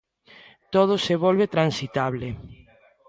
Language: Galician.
Todo se volve transitable.